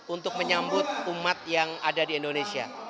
untuk menyambut umat yang ada di indonesia